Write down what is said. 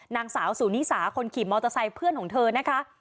นางสาวสุนิสาคนขี่มอเตอร์ไซค์เพื่อนของเธอนะคะ